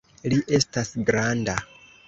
Li estas granda!